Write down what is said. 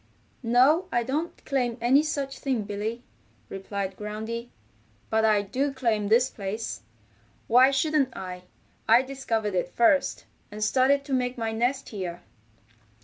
"No, I don't claim any such thing, Billy," replied Groundy. "But I do claim this place. Why shouldn't I? I discovered it first, and started to make my nest here."